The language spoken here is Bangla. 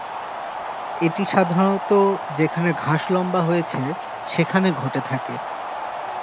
এটি সাধারণত যেখানে ঘাস লম্বা হয়েছে সেখানে ঘটে থাকে।